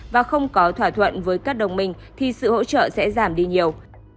và không có thỏa thuận với các đồng minh thì sự hỗ trợ sẽ giảm đi nhiều